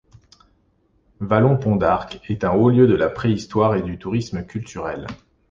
Vallon-Pont-d'Arc est un haut lieu de la préhistoire et du tourisme culturel.